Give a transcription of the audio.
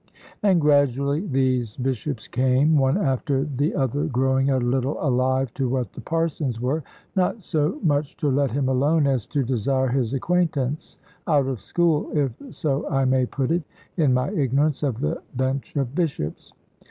And gradually these bishops came (one after the other growing a little alive to what the parsons were) not so much to let him alone as to desire his acquaintance out of school, if so I may put it, in my ignorance of the bench of bishops.